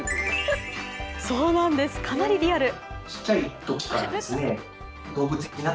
そうなんです、かなりリアル。